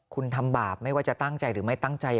คุณทำบาปไม่ว่าจะตั้งใจหรือไม่ตั้งใจ